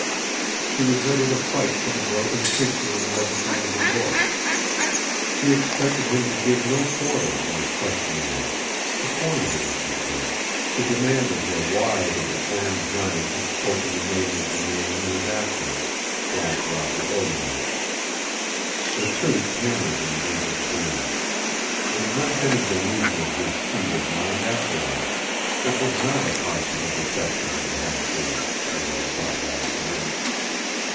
She was ready to fight for the broken creature on the other side of the door. She expected him to give no quarter in his questioning of her, to corner her if he could, to demand of her why the deformed giant had spoken the name of the man he was after, Black Roger Audemard. The truth hammered in David's brain. It had not been a delusion of his fevered mind after all; it was not a possible deception of the half breed's, as he had thought last night.